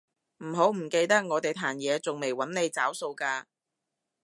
唔好唔記得我哋壇野仲未搵你找數㗎